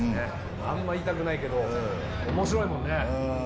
あんま言いたくないけど、おもしろいもんね。